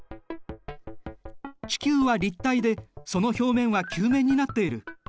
地球は立体でその表面は球面になっている。